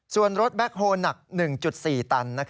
ส่วนรถแบ็คโฮลหนัก๑๔ตัน